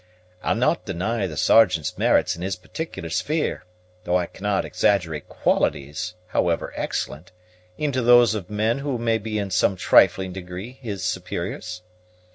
I'll not deny the Sergeant's merits in his particular sphere; though I cannot exaggerate qualities, however excellent, into those of men who may be in some trifling degree his superiors.